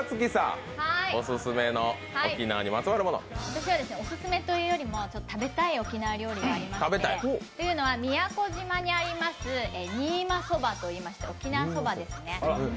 私は、オススメというよりも食べたい沖縄料理がありまして宮古島にありますにいまそばといって沖縄そばですね。